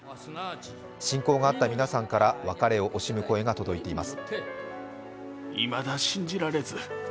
親交があった皆さんから別れを惜しむ声が届いています。